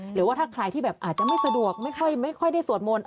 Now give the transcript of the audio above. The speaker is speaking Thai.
หรือว่าถ้าใครที่แบบอาจจะไม่สะดวกไม่ค่อยได้สวดมนต์